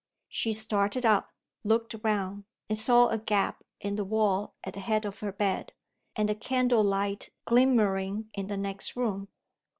She started up looked round and saw a gap in the wall at the head of her bed, and the candle light glimmering in the next room.